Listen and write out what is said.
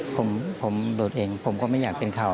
ผมโดดเองผมก็ไม่อยากเป็นเขา